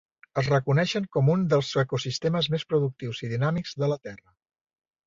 Es reconeixen com uns dels ecosistemes més productius i dinàmics de la Terra.